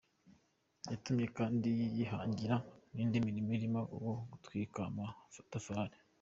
Yatumye kandi yihangira n’indi mirimo irimo uwo gutwika amatafari.